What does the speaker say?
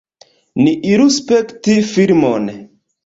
Ni iru spekti filmon.